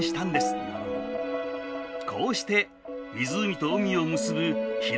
こうして湖と海を結ぶ日向